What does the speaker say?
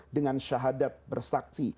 dengan syahadat bersaksi